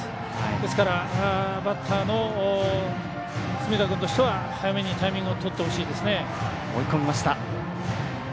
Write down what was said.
ですから、バッターの隅田君としては早めにタイミングを取ってほしいですね。